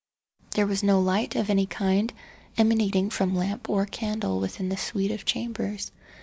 There was no light of any kind emanating from lamp or candle within the suite of chambers.